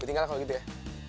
gue tinggal kalau gitu ya